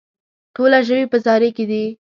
ټوله ژوي په زاري کې دي.